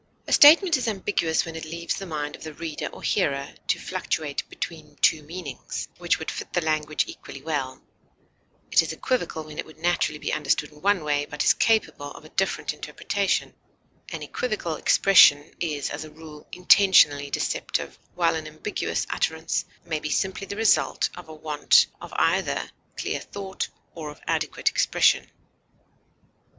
A statement is ambiguous when it leaves the mind of the reader or hearer to fluctuate between two meanings, which would fit the language equally well; it is equivocal when it would naturally be understood in one way, but is capable of a different interpretation; an equivocal expression is, as a rule, intentionally deceptive, while an ambiguous utterance may be simply the result of a want either of clear thought or of adequate expression.